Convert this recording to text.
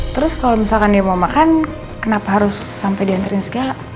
terus kalau misalkan dia mau makan kenapa harus sampai diantarin segala